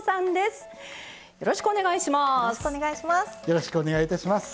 よろしくお願いします。